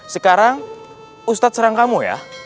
sekarang ustadz serang kamu ya